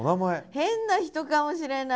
変な人かもしれない。